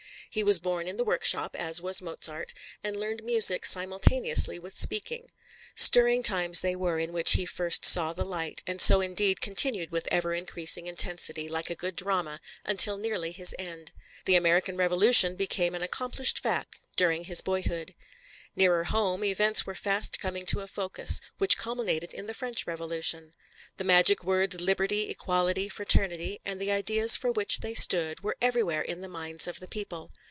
He was born in the workshop, as was Mozart, and learned music simultaneously with speaking. Stirring times they were in which he first saw the light, and so indeed continued with ever increasing intensity, like a good drama, until nearly his end. The American Revolution became an accomplished fact during his boyhood. Nearer home, events were fast coming to a focus, which culminated in the French Revolution. The magic words, Liberty, Equality, Fraternity, and the ideas for which they stood, were everywhere in the minds of the people.